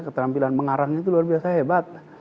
keterampilan mengarang itu luar biasa hebat